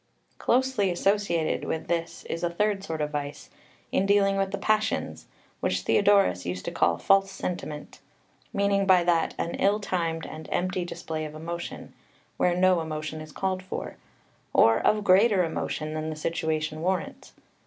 5 Closely associated with this is a third sort of vice, in dealing with the passions, which Theodorus used to call false sentiment, meaning by that an ill timed and empty display of emotion, where no emotion is called for, or of greater emotion than the situation warrants.